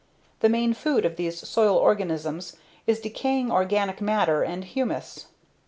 The main food of these soil organisms is decaying organic matter and humus.